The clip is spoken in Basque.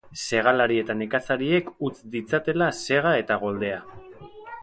Segalari eta nekazariek utz ditzatela sega eta goldea.